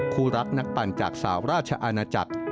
คู่รักนักปั่นจากสาวราชอาณาจักร